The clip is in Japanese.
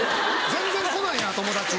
全然来ないな友達。